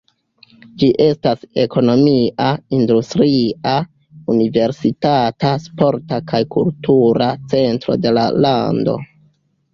Ĝi estas ekonomia, industria, universitata, sporta kaj kultura centro de la lando.